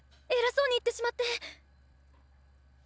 偉そうに言ってしまって！